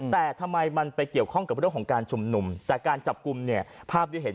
แต่ทำไมมันไปเกี่ยวข้องกับเรื่องของการชุมนุมแต่การจับกลุ่มเนี่ยภาพที่เห็น